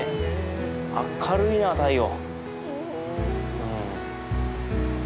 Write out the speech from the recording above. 明るいな太陽！